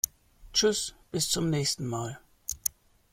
Tschüss, bis zum nächsen Mal!